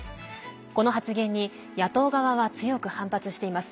この発言に野党側は強く反発しています。